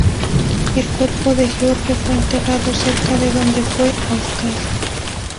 El cuerpo de George fue enterrado cerca de donde fue ahorcado.